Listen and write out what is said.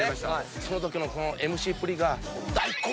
そのときのこのＭＣっぷりが。